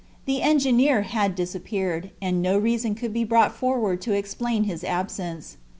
The engineer had disappeared, and no reason could be brought forward to explain his absence.